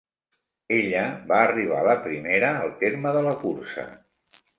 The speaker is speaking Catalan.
Ella va arribar la primera al terme de la cursa.